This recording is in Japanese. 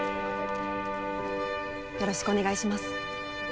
よろしくお願いします。